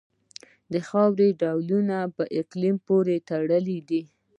د خاورې ډولونه په اقلیم پورې تړلي دي.